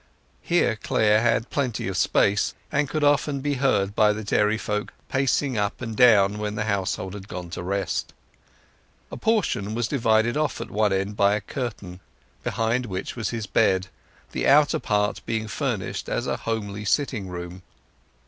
Here Clare had plenty of space, and could often be heard by the dairy folk pacing up and down when the household had gone to rest. A portion was divided off at one end by a curtain, behind which was his bed, the outer part being furnished as a homely sitting room.